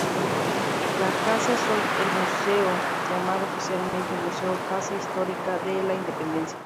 La casa es hoy el museo, llamado oficialmente Museo casa Histórica de la Independencia.